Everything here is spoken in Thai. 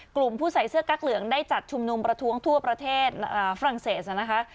กลุ่มผู้ใส่เสื้อกั๊กเหลืองได้จัดชุมนุมประท้วงทั่วประเทศฝรั่งเศสนะคะ